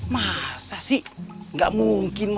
masa sih gak mungkin